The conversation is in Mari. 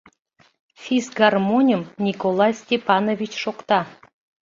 Фисгармоньым Николай Степанович шокта.